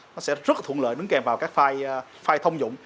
nó sẽ rất là thuận lợi đứng kèm vào các file thông dụng